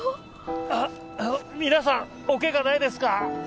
あ皆さんおケガないですか？